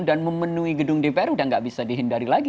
dan memenuhi gedung dpr sudah tidak bisa dihindari lagi